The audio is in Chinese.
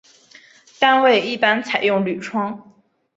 单位一般采用铝窗。